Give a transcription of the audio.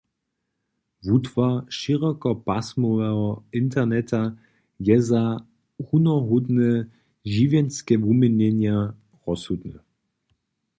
Wutwar šerokopasmoweho interneta je za runohódne žiwjenske wuměnjenja rozsudny.